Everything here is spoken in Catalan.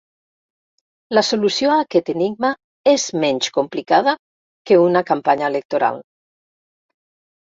La solució a aquest enigma és menys complicada que una campanya electoral.